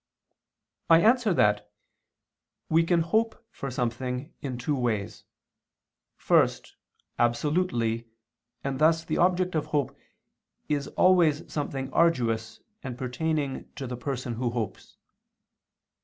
I answer that, We can hope for something in two ways: first, absolutely, and thus the object of hope is always something arduous and pertaining to the person who hopes.